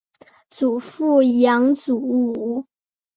祖父杨祖武。